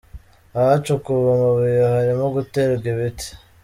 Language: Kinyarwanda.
Ahacukuwe amabuye harimo guterwa ibiti